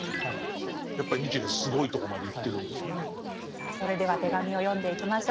さあそれでは手紙を読んでいきましょう。